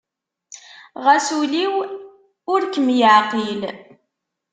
Ɣas ul-iw ur kem-yeɛqil.